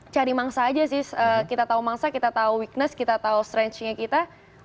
cari mangsa aja sih kita tahu mangsa kita tahu weakness kita tahu strengnya kita